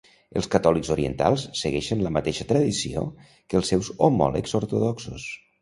Els catòlics orientals segueixen la mateixa tradició que els seus homòlegs ortodoxos.